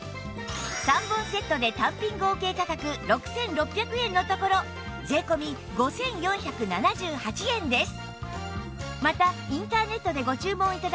３本セットで単品合計価格６６００円のところ税込５４７８円です